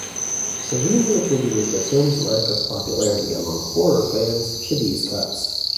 Savini attributed the film's lack of popularity among horror fans to these cuts.